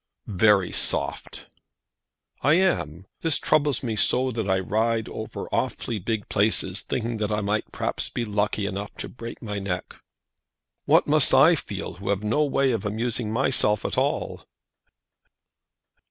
"Very soft!" "I am. This troubles me so that I ride over awfully big places, thinking that I might perhaps be lucky enough to break my neck." "What must I feel, who have no way of amusing myself at all?"